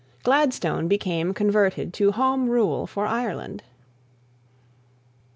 Gladstone became converted to Home Rule for Ireland."